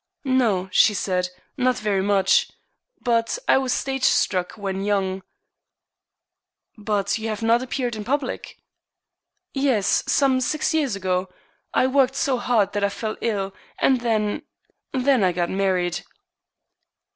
"No," she said, "not very much. But I was stage struck when young." "But you have not appeared in public?" "Yes, some six years ago. I worked so hard that I fell ill, and then then I got married."